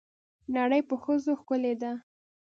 نړۍ په ښځو ښکلې ده.